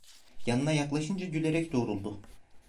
Yanına yaklaşınca gülerek doğruldu.